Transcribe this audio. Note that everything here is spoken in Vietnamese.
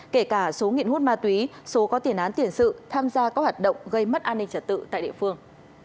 kể cả số nghiện hút ma túy số có tiền án tiền sự tham gia các hoạt động gây mất an ninh trật tự tại địa phương